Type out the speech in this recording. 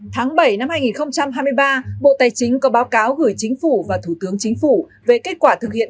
tháng bảy năm hai nghìn hai mươi ba bộ tài chính có báo cáo gửi chính phủ và thủ tướng chính phủ về kết quả thực hiện